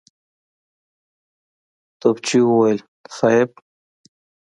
توپچي وويل: صېب!